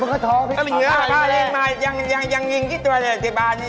โอ้โฮดูพาวหาตัวอยู่กว่ามือ